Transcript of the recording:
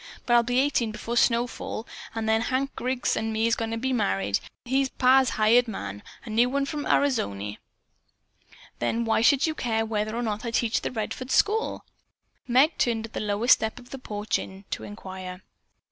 But I'll be eighteen before snowfall, an' then Hank Griggs an' me's goin' to be married. He's pa's hired man. A new one from Arizony." "Then why should you care whether or not I teach the Redford school?" Meg turned at the lowest step of the inn porch to inquire.